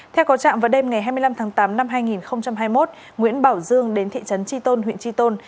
theo có trạm vào đêm ngày hai mươi năm tháng tám năm hai nghìn hai mươi một nguyễn bảo dương đến thị trấn tri tôn huyện tri tôn